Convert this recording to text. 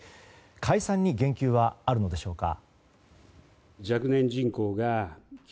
解散に言及はあるのでしょうか。